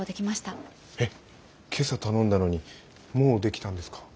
えっ今朝頼んだのにもうできたんですか？